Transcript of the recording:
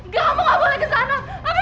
kamu gak boleh kesana